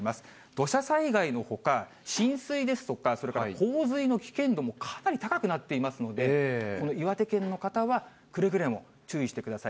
土砂災害のほか、浸水ですとか、それから洪水の危険度もかなり高くなっていますので、この岩手県の方は、くれぐれも注意してください。